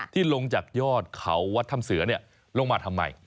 ที่ลงจากยอดเขาวัดธรรมเสือลงมาทำไม